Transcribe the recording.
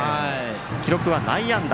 記録は内野安打。